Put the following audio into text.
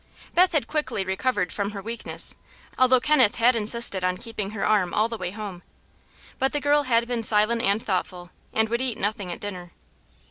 Beth had quickly recovered from her weakness, although Kenneth had insisted on keeping her arm all the way home. But the girl had been silent and thoughtful, and would eat nothing at dinner.